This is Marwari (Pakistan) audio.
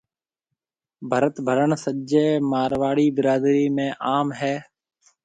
ڀرت ڀرڻ سجِي مارواڙِي برادرِي ۾ عام هيَ۔